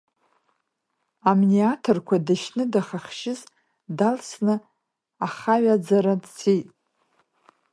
Амни аҭырқәа дышьны дахахшьыз далсны ахаҩаӡара дцеит.